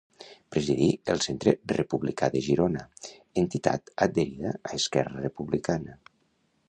Presidí el Centre Republicà de Girona, entitat adherida a Esquerra Republicana.